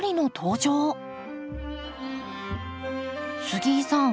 杉井さん